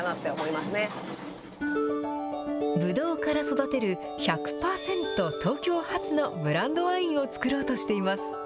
ブドウから育てる１００％東京発のブランドワインを造ろうとしています。